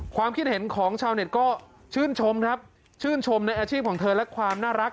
ความคิดเห็นของชาวเน็ตก็ชื่นชมครับชื่นชมในอาชีพของเธอและความน่ารัก